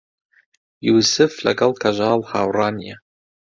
یووسف لەگەڵ کەژاڵ هاوڕا نییە.